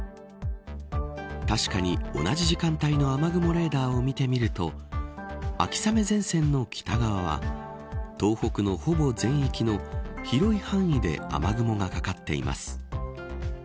確かに、同じ時間帯の雨雲レーダーを見てみると秋雨前線の北側は東北のほぼ全域の広い範囲で雨雲がかかっています。